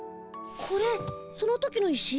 これその時の石？